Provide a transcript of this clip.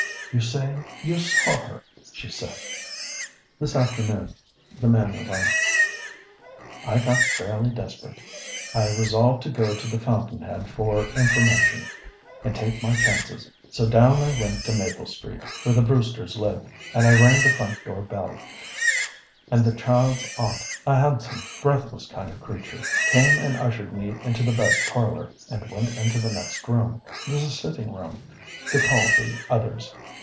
"You say you saw her," she said. "This afternoon," the man went on, "I got fairly desperate. I resolved to go to the fountain head for information, and take my chances. So down I went to Maple Street, where the Brewsters live, and I rang the front door bell, and the child's aunt, a handsome, breathless kind of creature, came and ushered me into the best parlor, and went into the next room the sitting room to call the others.